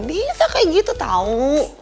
bisa kayak gitu tau